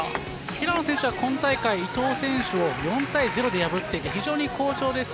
平野選手は今大会、伊藤選手を４対０で破っていて非常に好調です。